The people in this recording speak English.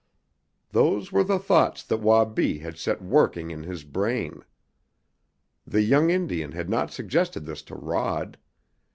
Those were the thoughts that Wabi had set working in his brain. The young Indian had not suggested this to Rod.